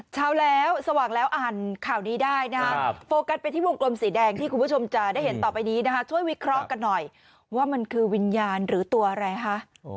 เช้าแล้วสว่างแล้วอ่านข่าวนี้ได้นะครับโฟกัสไปที่วงกลมสีแดงที่คุณผู้ชมจะได้เห็นต่อไปนี้นะคะช่วยวิเคราะห์กันหน่อยว่ามันคือวิญญาณหรือตัวอะไรคะ